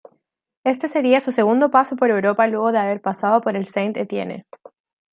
Este sería su segundo paso por Europa luego de haber pasado por el Saint-Etienne.